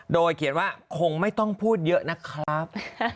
โดยเขียนว่าคงไม่ต้องพูดเยอะนะครับ